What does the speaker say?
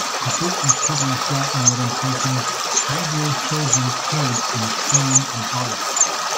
A book was published that year entitled "Ideal Children's Heads in Crayon and Oil".